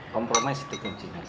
kompromis itu kuncinya